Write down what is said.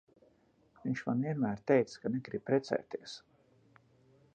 Viņš man vienmēr teica, ka negrib precēties.